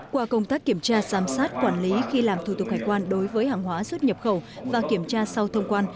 qua công tác kiểm tra giám sát quản lý khi làm thủ tục hải quan đối với hàng hóa xuất nhập khẩu và kiểm tra sau thông quan